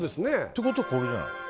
ということはこれじゃない？